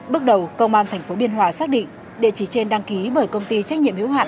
bước đầu công an tp biên hòa xác định địa chỉ trên đăng ký bởi công ty trách nhiệm hiếu hạn